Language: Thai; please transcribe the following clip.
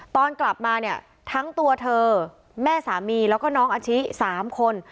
ตอนกลับมาเนี่ยทั้งตัวเธอแม่สามีแล้วก็น้องอาชิ๓คน